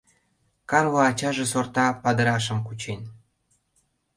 Карло ачаже сорта падырашым кучен.